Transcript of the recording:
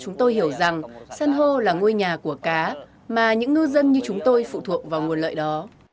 chúng tôi hiểu rằng sân hô là ngôi nhà của cá mà những ngư dân như chúng tôi phụ thuộc vào nguồn lợi đó